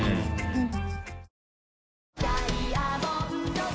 うん。